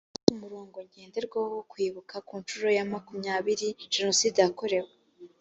umurongo ngenderwaho wo kwibuka ku nshuro ya makumyabiri jenoside yakorewe